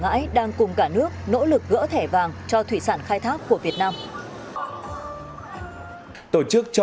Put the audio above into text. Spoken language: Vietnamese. ngãi đang cùng cả nước nỗ lực gỡ thẻ vàng cho thủy sản khai thác của việt nam tổ chức cho